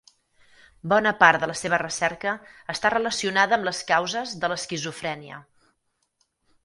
Bona part de la seva recerca està relacionada amb les causes de l'esquizofrènia.